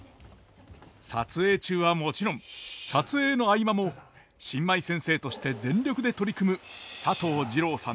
撮影中はもちろん撮影の合間も新米先生として全力で取り組む佐藤二朗さんでした。